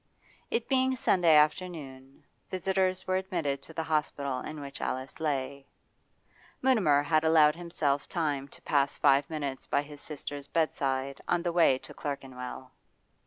It being Sunday afternoon, visitors were admitted to the hospital in which Alice lay. Mutimer had allowed himself time to pass five minutes by his sister's bedside on the way to Clerkenwell.